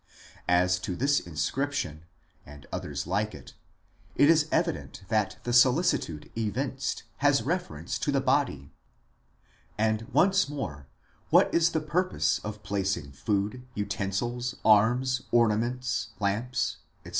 As to this mscrir>tior> and others like it, it is evident that the solicitude evinced has reference to the body. And once more, what is the purpose of placing SOME PRELIMINARY CONSIDERATIONS 9 food, utensils, arms, ornaments, lamps, etc.